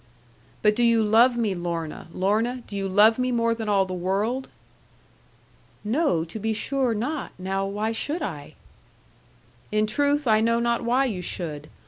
'But do you love me, Lorna, Lorna; do you love me more than all the world?' 'No, to be sure not. Now why should I?' 'In truth, I know not why you should.